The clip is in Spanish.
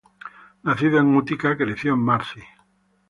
Nacido en Utica, creció en Marcy.